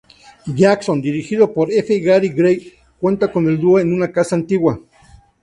Jackson", dirigido por F. Gary Gray, cuenta con el dúo en una casa antigua.